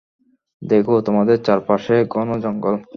দেখো, তোমাদের চারপাশে ঘন জঙ্গল।